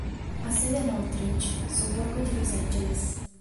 Ha sede a Northridge, sobborgo di Los Angeles.